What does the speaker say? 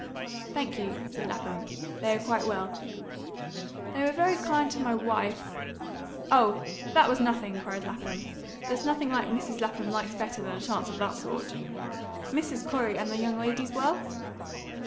"Thank you," said Lapham, "they're quite well." "They were very kind to my wife " "Oh, that was nothing!" cried Lapham. "There's nothing Mrs. Lapham likes better than a chance of that sort. Mrs. Corey and the young ladies well?"